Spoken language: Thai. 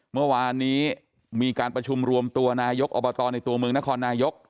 เมื่อวานนี้มีการประชุมรวมตัวนายกอบตในตัวเมืองนครนายก